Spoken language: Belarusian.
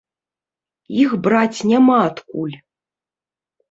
Іх браць няма адкуль.